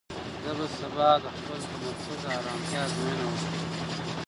زه به سبا د خپل تمرکز او ارامتیا ازموینه وکړم.